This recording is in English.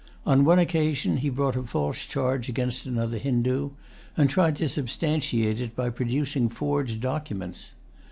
On one occasion he brought a false charge against another Hindoo, and tried to substantiate it by producing forged documents.